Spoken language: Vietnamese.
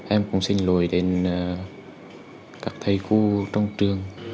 em cũng xin lỗi đến các thầy khu trong trường